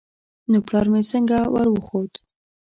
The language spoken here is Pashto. نو پلار مې څنگه وروخوت.